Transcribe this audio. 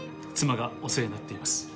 妻がお世話になっています。